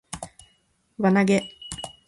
輪投げ